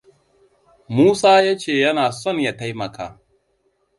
Musa ya ce yana son ya taimaka.